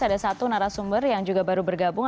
ada satu narasumber yang juga baru bergabung